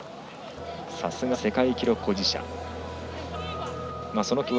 さすが、世界記録保持者。